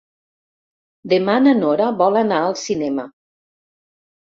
Demà na Nora vol anar al cinema.